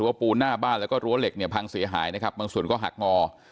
ปูนหน้าบ้านแล้วก็รั้วเหล็กเนี่ยพังเสียหายนะครับบางส่วนก็หักงอ